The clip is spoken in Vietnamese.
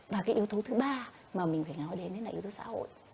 và cái yếu tố thứ ba mà mình phải nói đến đấy là yếu tố xã hội